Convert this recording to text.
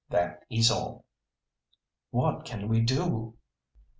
That is all." "What can we do?"